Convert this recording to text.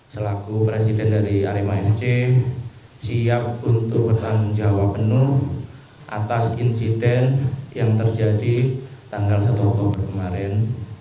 selaku presiden dari arema fc siap untuk bertanggung jawab penuh atas insiden yang terjadi tanggal satu oktober kemarin